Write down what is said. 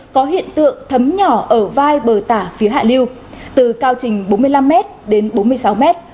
có hiện tượng thấm nhỏ ở vai bờ tả phía hạ liêu từ cao trình bốn mươi năm m đến bốn mươi sáu m